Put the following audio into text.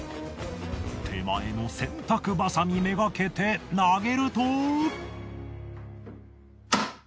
手前の洗濯バサミめがけて投げると。